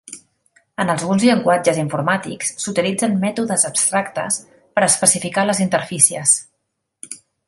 En alguns llenguatges informàtics s'utilitzen mètodes abstractes per especificar les interfícies.